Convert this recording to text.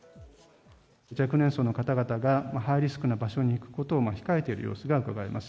若年層の方々がハイリスクな場所に行くことを控えている様子がうかがえます。